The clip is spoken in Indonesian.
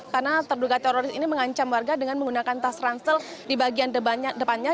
karena terduga teroris ini mengancam warga dengan menggunakan tas ransel di bagian depannya